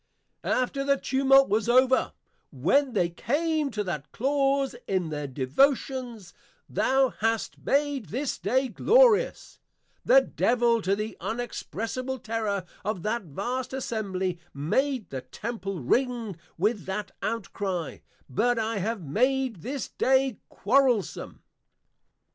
After the Tumult was over, when they came to that clause in their Devotions, Thou hast made this day Glorious; the Devil to the unexpressible Terrour of that vast Assembly, made the Temple Ring with that Outcry _But I have made this Day Quarrelsome!